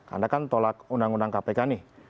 anda kan tolak undang undang kpk nih